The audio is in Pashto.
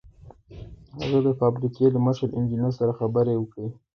هغه د فابریکې له مشر انجنیر سره خبرې وکړې